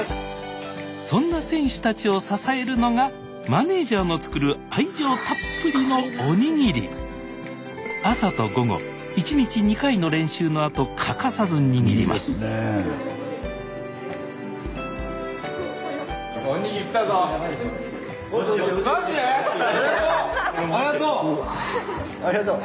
そんな選手たちを支えるのがマネージャーの作る愛情たっぷりのの練習のあと欠かさず握りますありがとう！